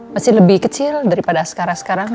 masih lebih kecil daripada sekarang sekarang